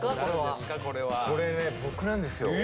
これね僕なんですよ。